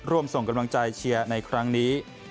ร่วมส่งกำลังใจเชียร์ในครั้งนี้